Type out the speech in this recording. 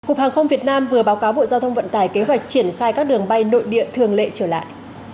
cục hàng không việt nam vừa báo cáo bộ giao thông vận tải kế hoạch triển khai các đường bay nội địa thường lệ trở lại